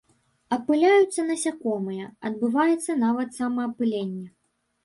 Апыляюцца насякомыя, адбываецца нават самаапыленне.